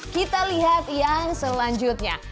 kita lihat yang selanjutnya